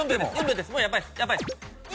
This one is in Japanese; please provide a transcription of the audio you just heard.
やばい。